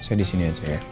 saya disini aja ya